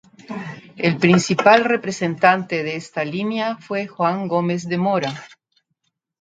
El principal representante de esta línea fue Juan Gómez de Mora.